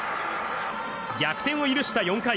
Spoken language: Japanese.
逆転を許した４回。